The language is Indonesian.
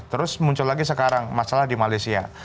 terus muncul lagi sekarang masalah di malaysia